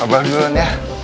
abah dulu ya